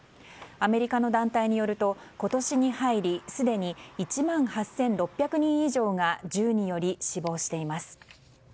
アメリカの団体によると今年に入りすでに１万８６００人以上が銃により死亡しています。